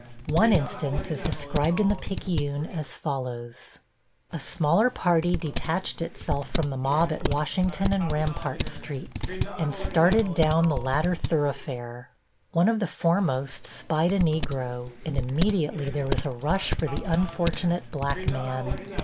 One instance is described in the Picayune as follows: A smaller party detached itself from the mob at Washington and Rampart Streets, and started down the latter thoroughfare. One of the foremost spied a Negro, and immediately there was a rush for the unfortunate black man.